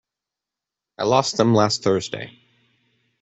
I lost them last Thursday.